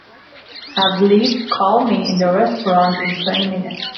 Have Liv call me in the restaurant in twenty minutes.